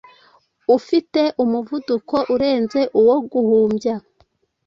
ufite umuvuduko urenze uwo guhumbya,